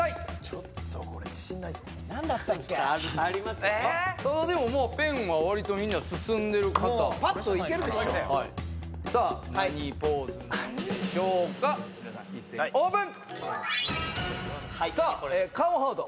ちょっとこれ自信ないぞ何だったっけあでももうペンは割とみんな進んでる方パッといけるでしょうさあ何ポーズなんでしょうか皆さん一斉にオープン！